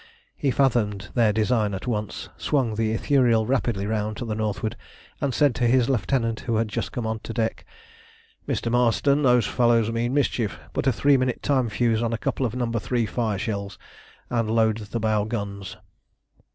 He fathomed their design at once, swung the Ithuriel rapidly round to the northward, and said to his lieutenant, who had just come on deck "Mr. Marston, those fellows mean mischief. Put a three minute time fuze on a couple of No. 3 fire shell, and load the bow guns."